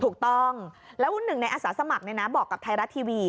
ถูกต้องแล้วหนึ่งในอาสาสมัครบอกกับไทยรัฐทีวี